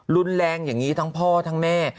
รุนแรงอย่างนี้ทั้งพ่อทั้งแม่